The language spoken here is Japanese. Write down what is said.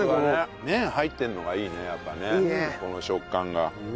ねえ入ってるのがいいねやっぱねこの食感が。